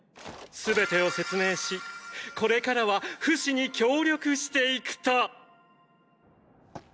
全てを説明しこれからはフシに協力していくとーー。